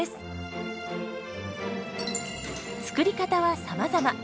作り方はさまざま。